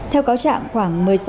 theo cáo trạng khoảng một mươi sáu h